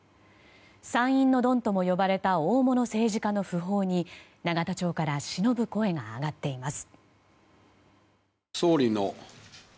参院のドンとも呼ばれた大物政治家の訃報に永田町からしのぶ声が上がっています。